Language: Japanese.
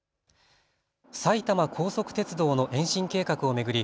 埼玉高速鉄道の延伸計画を巡り